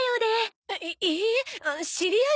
いいえ知り合いじゃ。